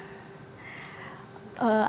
assalamualaikum warahmatullahi wabarakatuh